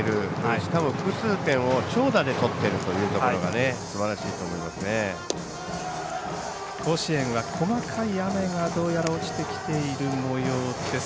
しかも複数点を長打で取っているところが甲子園は細かい雨がどうやら落ちてきているもようです。